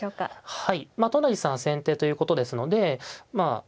はい都成さんは先手ということですのでまあ